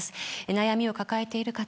悩みを抱えている方